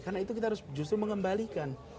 karena itu kita harus justru mengembalikan